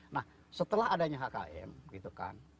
nah setelah adanya hkm gitu kan